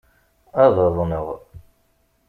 Ad aḍneɣ.